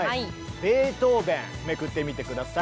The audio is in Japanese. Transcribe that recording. ベートーベンめくってみて下さい！